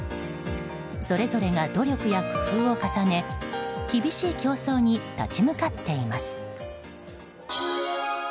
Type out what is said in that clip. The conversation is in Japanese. それぞれが努力や工夫を重ね厳しい競争に立ち向かっています。